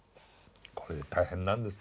これ大変なんですね。